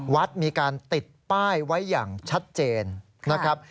วัดมีการติดป้ายไว้อย่างชัดเจนนะครับ